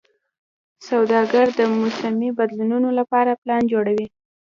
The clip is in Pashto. سوداګر د موسمي بدلونونو لپاره پلان جوړوي.